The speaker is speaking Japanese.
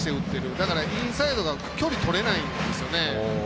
だからインサイドが距離とれないんですよね。